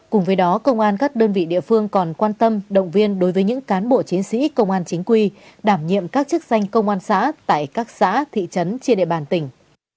cùng với đó công an các đơn vị địa phương còn quan tâm động viên đối với những cán bộ chiến sĩ công an chính quy đảm nhiệm các chức danh công an xã tại các xã thị trấn trên địa bàn tỉnh